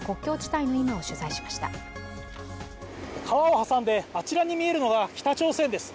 川を挟んであちらに見えるのが北朝鮮です。